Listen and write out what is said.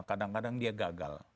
kadang kadang dia gagal